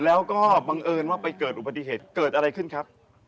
แล้วก็บังเอิญว่าไปเกิดอุบัติเหตุเกิดอะไรขึ้นครับ